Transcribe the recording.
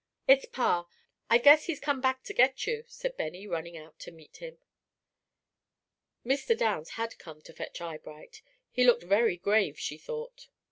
"It's Pa. I guess he's come back to get you," said Benny, running out to meet him. Mr. Downs had come to fetch Eyebright. He looked very grave, she thought.